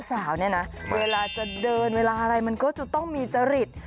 สาวเนี่ยนะเวลาจะเดินเวลาอะไรมันก็จะต้องมีจริต